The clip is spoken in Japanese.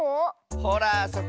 ほらあそこ。